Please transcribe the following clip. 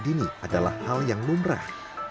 dan sejak dini adalah hal yang lumrah